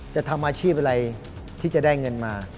จะทำอาชีพอะไรที่จะได้เงินมา